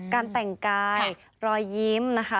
การแต่งกายรอยยิ้มนะคะ